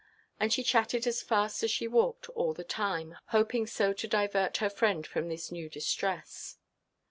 And she chatted as fast as she walked all the time, hoping so to divert her friend from this new distress.